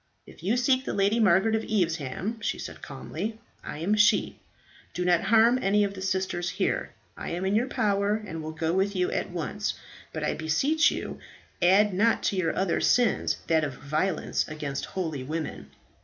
"If you seek the Lady Margaret of Evesham," she said calmly, "I am she. Do not harm any of the sisters here. I am in your power, and will go with you at once. But I beseech you add not to your other sins that of violence against holy women."